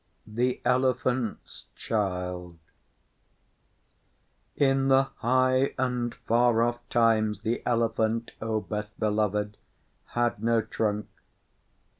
THE ELEPHANT'S CHILD IN the High and Far Off Times the Elephant, O Best Beloved, had no trunk.